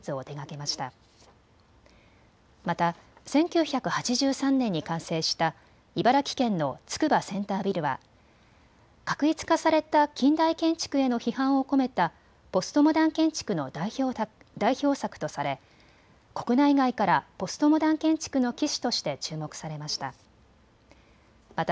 また１９８３年に完成した茨城県のつくばセンタービルは画一化された近代建築への批判を込めたポストモダン建築の代表作とされ、国内外からポストモダン建築の旗手として注目されました。